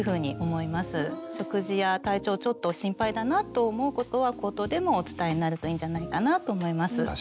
食事や体調ちょっと心配だなと思うことは口頭でもお伝えになるといいんじゃないかなと思います。